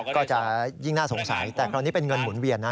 ก็จะยิ่งน่าสงสัยแต่คราวนี้เป็นเงินหมุนเวียนนะ